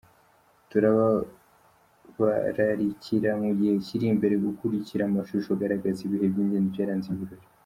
Turabararikira mu gihe kiri imbere gukurikira amashusho agaragaza ibihe by'ingenzi byaranze ibi birori.